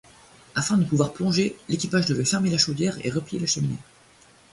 Afin de pouvoir plonger, l'équipage devait fermer la chaudière et replier la cheminée.